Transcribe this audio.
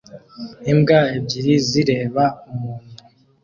Imbwa ebyiri zireba umuntu